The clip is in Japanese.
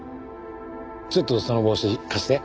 ちょっとその帽子貸して。